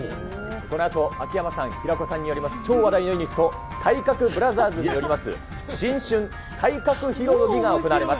このあと秋山さん、平子さんによる超話題のユニット、体格ブラザーズによります、新春体格披露の儀が行われます。